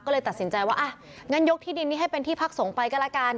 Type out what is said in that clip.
ก็เลยตัดสินใจว่าอ่ะงั้นยกที่ดินนี้ให้เป็นที่พักสงฆ์ไปก็แล้วกัน